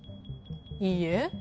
いいえ。